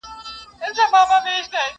o يوې خواته پاڼ دئ، بلي خواته پړانگ دئ٫